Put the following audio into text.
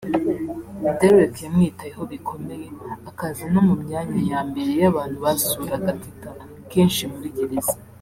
Dereck yamwitayeho bikomeye akaza no mu myanya ya mbere y’abantu basuraga Teta kenshi muri gereza